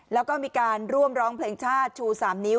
แล้วก็มีการร่วมร้องเพลงชาติชู๓นิ้ว